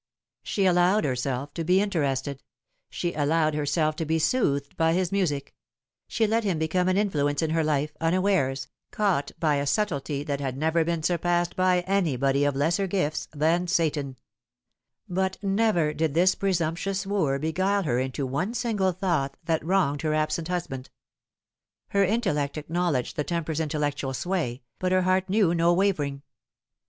She allowed herself to be interested ; she allowed herself to be soothed by his music ; she let him become an influence in her life, unawares, caught by a subtlety that had never been surpassed by anybody of lesser gifts than Satan : but never did this presumptuous wooer beguile her into one single thought that wronged her absent husband. Her in tellect acknowledged the tempter's intellectual sway, but her heart knew no wavering.